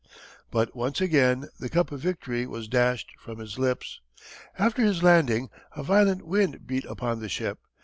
But once again the cup of victory was dashed from his lips. After his landing a violent wind beat upon the ship.